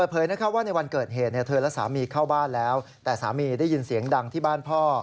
เธอและสามีเข้าบ้านแล้วแต่สามีได้ยินเสียงดังที่บ้านพ่อ